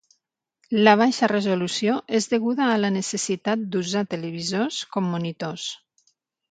La baixa resolució és deguda a la necessitat d'usar televisors com monitors.